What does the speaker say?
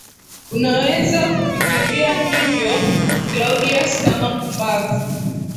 unaweza kufikiria hivyo Claudius kama mpumbavu